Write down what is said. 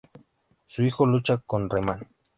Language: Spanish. Su hijo lucha como "Rayman".